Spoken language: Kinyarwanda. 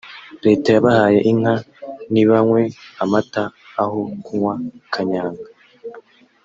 Leta yabahaye inka nibanywe amata aho kunywa kanyanga